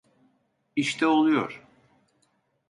İşte oluyor.